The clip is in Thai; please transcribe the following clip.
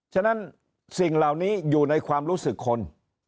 ฉะนั้นสิ่งเหล่านี้อยู่ในความรู้สึกคน